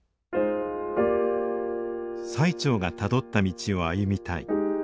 最澄がたどった道を歩みたい。